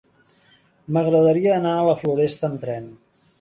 M'agradaria anar a la Floresta amb tren.